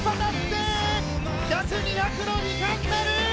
１００、２００の２冠なる！